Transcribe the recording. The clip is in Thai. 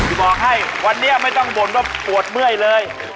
บอกให้วันนี้ไม่ต้องบ่นว่าปวดเมื่อยเลย